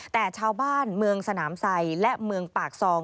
แต่ชาวบ้านเมืองสนามไซและเมืองปากซอง